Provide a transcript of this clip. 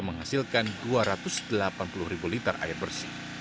menghasilkan dua ratus delapan puluh ribu liter air bersih